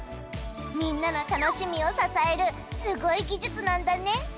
みんなの楽しみを支えるすごい技術なんだね